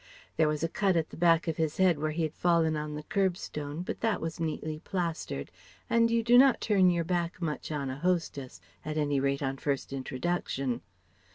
There was a cut at the back of his head where he had fallen on the kerb stone but that was neatly plastered, and you do not turn your back much on a hostess, at any rate on first introduction.